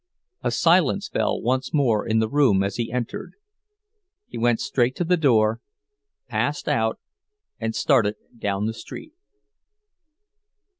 A silence fell once more in the room as he entered. He went straight to the door, passed out, and started down the street.